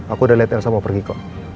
aku udah liat elsa mau pergi kok